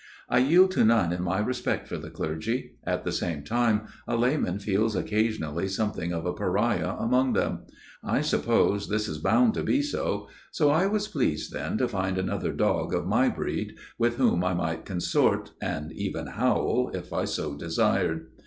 I yield to none in my respect for the clergy ; at the same time a layman feels occasionally something of a pariah among them : I suppose this is bound to be so ; so I was pleased then to find another dog of my breed with whom I might consort, and even howl, if I so desired.